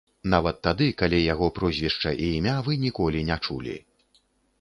Нават тады, калі яго прозвішча і імя вы ніколі не чулі.